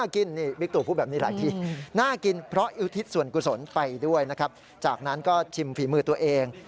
กุศลไปด้วยนะครับจากนั้นก็ชิมฝีมือตัวเอง